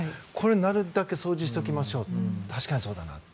なるべく掃除しておきましょうと確かにそうだなと。